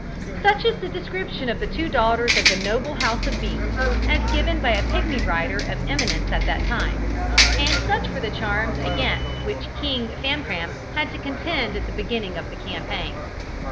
Such is the description of the two daughters of the noble house of Binks, as given by a Pigmy writer of eminence at that time, and such were the charms against which King Famcram had to contend at the beginning of the campaign.